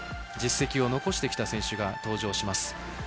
実績を残してきた選手が登場します。